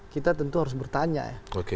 kita tentu harus bertanya ya